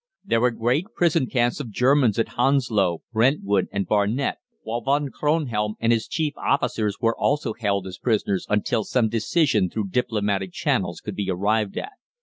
There were great prison camps of Germans at Hounslow, Brentwood, and Barnet, while Von Kronhelm and his chief officers were also held as prisoners until some decision through diplomatic channels could be arrived at.